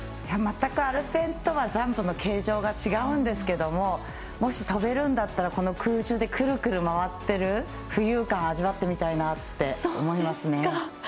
全くアルペンとはジャンプの形状が違うんですがもし飛べるんだったら空中でくるくる回ってる浮遊感、味わってみたいなって思いますね。